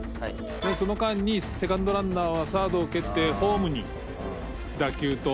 その間にセカンドランナーはサードを蹴ってホームに。